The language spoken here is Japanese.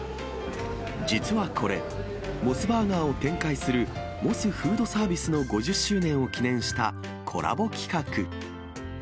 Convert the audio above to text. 実はこれ、モスバーガーを展開する、モスフードサービスの５０周年を記念したコラボ企画。